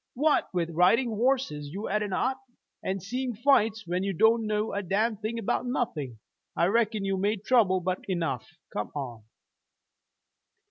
What with riding horses you hadn't ought, and seeing fights when you don't know a damned thing about nothing, I reckon you've made trouble about enough. Come on!"